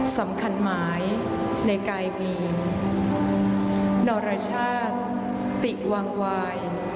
สำคัญหมายในกายมีนรชาติติวางวาย